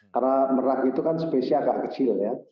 karena merak itu kan spesial agak kecil ya